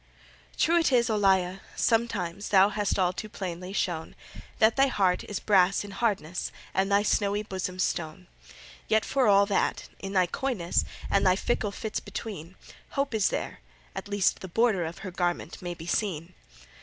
True it is, Olalla, sometimes Thou hast all too plainly shown That thy heart is brass in hardness, And thy snowy bosom stone. Yet for all that, in thy coyness, And thy fickle fits between, Hope is there at least the border Of her garment may be seen.